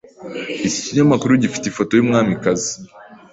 Iki kinyamakuru gifite ifoto yumwamikazi.